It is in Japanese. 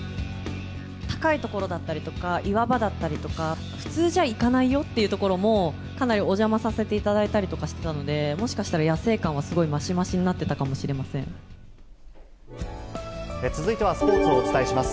高い所だったりとか、岩場だったりとか、普通じゃ行かないよっていう所も、かなりお邪魔させていただいたりとかしてたんで、もしかしたら野性感はすごい増し増しになってた続いてはスポーツをお伝えします。